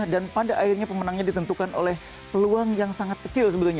dan pada akhirnya pemenangnya ditentukan oleh peluang yang sangat kecil sebetulnya